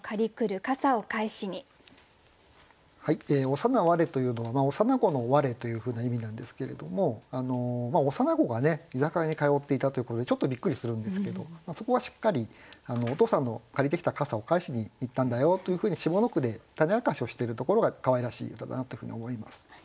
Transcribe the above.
「幼われ」というのは「幼子のわれ」というふうな意味なんですけれども幼子が居酒屋に通っていたということでちょっとびっくりするんですけどそこはしっかりお父さんの借りてきた傘を返しに行ったんだよというふうに下の句で種明かしをしているところがかわいらしい歌だなというふうに思います。